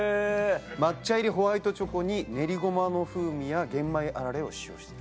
抹茶入りホワイトチョコに練りゴマの風味や玄米あられを使用している。